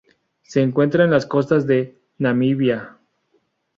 Se encuentra en las costas de Namibia.